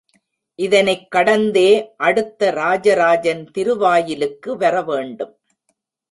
இதனைக் கடந்தே அடுத்த ராஜராஜன் திருவாயிலுக்கு வரவேணும்.